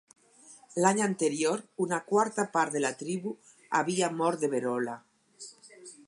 L'any anterior una quarta part de la tribu havia mort de verola.